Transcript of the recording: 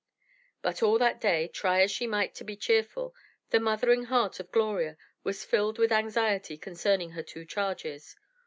But all that day, try as she might to be cheerful, the mothering heart of Gloria was filled with anxiety concerning her two charges.